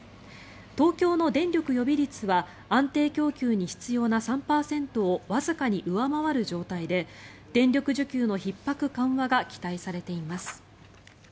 東京の電力予備率は安定供給に必要な３％をわずかに上回る状態で電力需給のひっ迫緩和が期待されています。